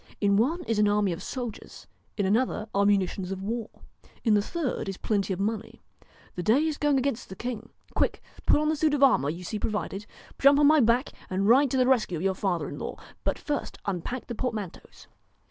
In one is an army of soldiers, in another are munitions of war, in the third is plenty of money. The day is going against the king. Quick, put on the suit of armour you will see provided, jump on my back, and ride to the rescue of your father in law. But first unpack the portmanteaus.'